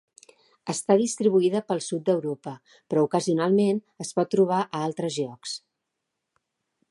Està distribuïda pel sud d'Europa però ocasionalment es pot trobar a altres llocs.